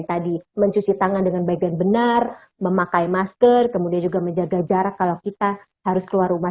tadi mencuci tangan dengan baik dan benar memakai masker kemudian juga menjaga jarak kalau kita harus keluar rumah